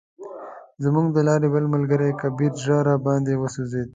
زموږ د لارې بل ملګری کبیر زړه راباندې وسوځید.